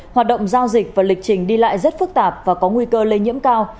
hoạt động giao dịch và lịch trình đi lại rất phức tạp và có nguy cơ lây nhiễm cao